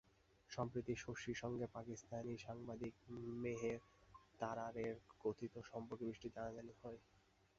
সম্প্রতি শশীর সঙ্গে পাকিস্তানি সাংবাদিক মেহর তারারের কথিত সম্পর্কের বিষয়টি জানাজানি হয়।